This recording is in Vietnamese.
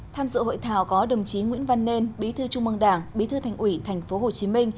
tham dự hội thảo có đồng chí nguyễn văn nên bí thư trung mương đảng bí thư thành ủy tp hcm